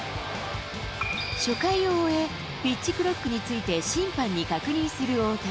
初回を終え、ピッチクロックについて審判に確認する大谷。